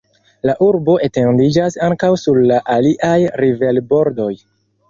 La urbo etendiĝas ankaŭ sur la aliaj riverbordoj.